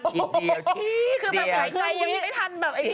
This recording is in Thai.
คือหายใจยังไม่ได้ทันแบบนี้เลย